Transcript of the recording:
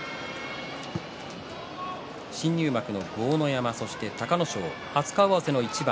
新入幕の豪ノ山、そして隆の勝初顔合わせの一番。